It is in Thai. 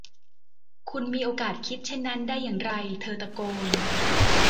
คุณมีโอกาสคิดเช่นนั้นได้อย่างไร เธอตะโกน